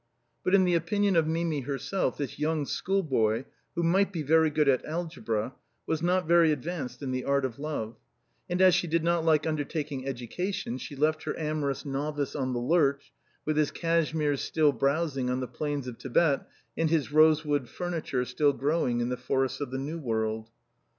But in the opinion of Mimi herself this young schoolboy, who might be very good at algebra, was not very advanced in the art of love, and as she did not like undertaking educa tion, she left her amorous novice in the lurch, with his cash meres still browsing on the plains of Tibet, and his rose wood furniture still growing in the forests of the ISTew World.